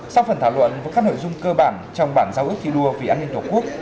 sau phần thảo luận với các nội dung cơ bản trong bản giao ước thi đua vì an ninh tổ quốc